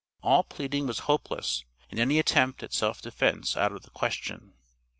All pleading was hopeless, and any attempt at self defence out of the question.